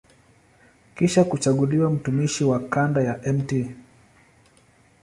Kisha kuchaguliwa mtumishi wa kanda ya Mt.